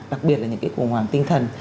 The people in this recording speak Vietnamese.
đặc biệt là những cái khủng hoảng tinh thần